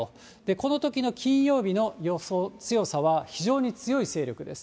このときの金曜日の予想、強さは非常に強い勢力です。